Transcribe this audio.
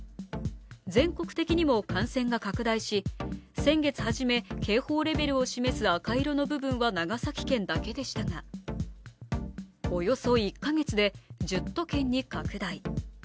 全国的にも感染が拡大し、先月初め警報レベルを示す赤色の部分は長崎県だけでしたが、およそ１か月で１０都県に拡大。